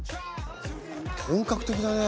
本格的だね。